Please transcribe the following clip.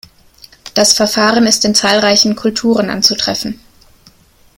Das Verfahren ist in zahlreichen Kulturen anzutreffen.